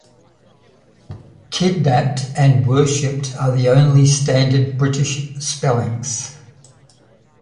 "Kidnapped" and "worshipped" are the only standard British spellings.